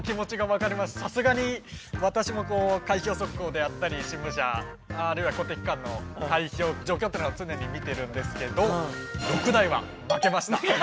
さすがに私もこう開票速報であったり新聞社あるいは公的機関の開票状況っていうのは常に見てるんですけど６台は負けました。